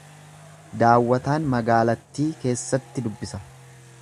Daawwataan magaalattii keessatti dubbisa.